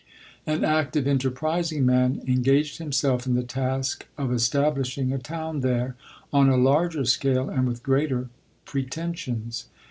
An active, enterprising man engaged himself in the task of establishing a town there on a larger scale and with greater pretensions.